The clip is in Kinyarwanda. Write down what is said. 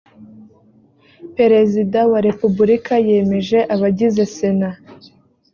perezida wa repubulika yemeje abagize sena